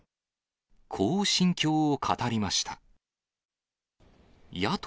こう心境を語りました。